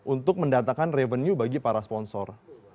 untuk mendatakan revenue bagi para sponsor